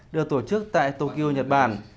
được tổ chức tại tokyo nhật bản